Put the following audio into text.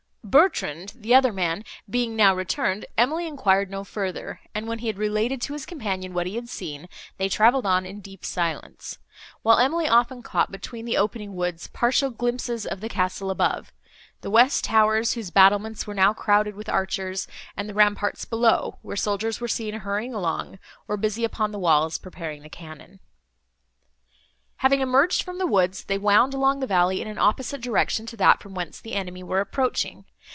Bertrand, the other man, being now returned, Emily enquired no further, and, when he had related to his companion what he had seen, they travelled on in deep silence; while Emily often caught, between the opening woods, partial glimpses of the castle above—the west towers, whose battlements were now crowded with archers, and the ramparts below, where soldiers were seen hurrying along, or busy upon the walls, preparing the cannon. Having emerged from the woods, they wound along the valley in an opposite direction to that, from whence the enemy were approaching.